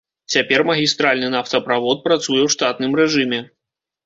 Цяпер магістральны нафтаправод працуе ў штатным рэжыме.